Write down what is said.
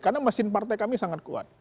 karena mesin partai kami sangat kuat